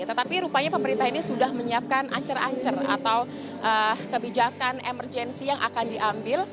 tetapi rupanya pemerintah ini sudah menyiapkan ancur ancur atau kebijakan emergensi yang akan diambil